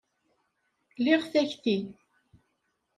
Liɣ takti.